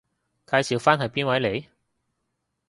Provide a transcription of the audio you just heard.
介紹返係邊位嚟？